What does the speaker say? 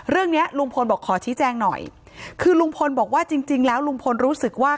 เนี้ยลุงพลบอกขอชี้แจงหน่อยคือลุงพลบอกว่าจริงจริงแล้วลุงพลรู้สึกว่า